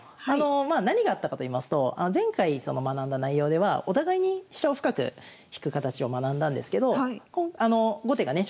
まあ何があったかといいますと前回その学んだ内容ではお互いに飛車を深く引く形を学んだんですけど後手がね